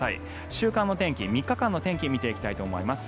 週間の天気、３日間の天気を見ていきたいと思います。